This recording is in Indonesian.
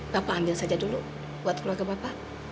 bapak ambil saja dulu buat keluarga bapak